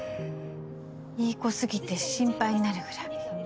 いい子すぎて心配になるぐらい。